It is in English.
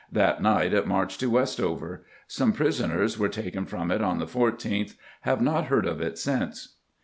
that night it marched to Westover. Some prisoners were taken from it on the 14th; have not heard of it since."